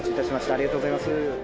ありがとうございます。